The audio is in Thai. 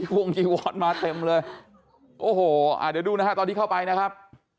วงจีวอนมาเต็มเลยโอ้โหอ่าเดี๋ยวดูนะฮะตอนที่เข้าไปนะครับ